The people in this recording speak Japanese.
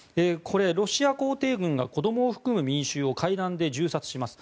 ロシア皇帝軍が子供を含む民衆を階段で銃殺します。